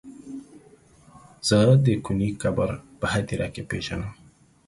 زه د کوني قبر په هديره کې پيژنم.